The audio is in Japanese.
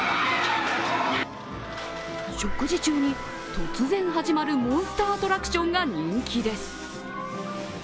食事中に突然始まるモンスターアトラクションが人気です。